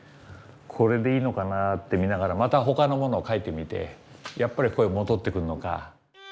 これでいいのかなって見ながらまた他のものを描いてみてやっぱりここへ戻ってくるのか。